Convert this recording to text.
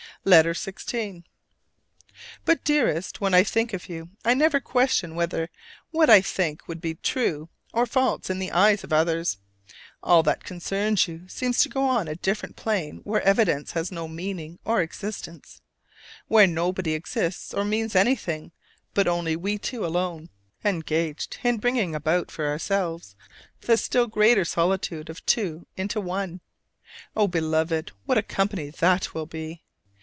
LETTER XVI. But, Dearest: When I think of you I never question whether what I think would be true or false in the eyes of others. All that concerns you seems to go on a different plane where evidence has no meaning or existence: where nobody exists or means anything, but only we two alone, engaged in bringing about for ourselves the still greater solitude of two into one. Oh, Beloved, what a company that will be!